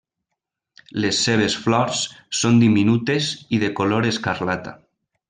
Les seves flors són diminutes i de color escarlata.